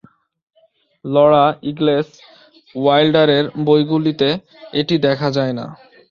Laura Ingalls ওয়াইল্ডারের বইগুলিতে এটি দেখা যায় না।